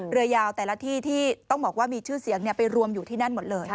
เรือยาวแต่ละที่ที่ต้องบอกว่ามีชื่อเสียงไปรวมอยู่ที่นั่นหมดเลย